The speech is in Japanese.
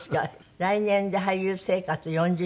来年で俳優生活４０周年。